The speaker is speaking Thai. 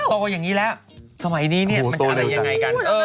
โตอย่างนี้แล้วสมัยนี้เนี่ยมันจะอะไรยังไงกัน